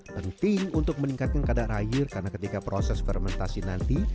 penting untuk meningkatkan kadar air karena ketika proses fermentasi nanti